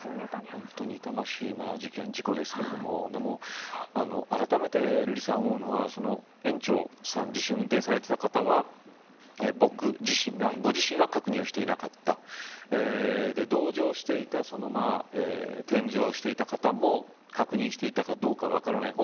本当に痛ましい事件事故ですけどもあらためて思うのは園長さん自身運転されていた方はご自身は確認をしていなかった同乗していた添乗していた方も確認していたかどうか分からない。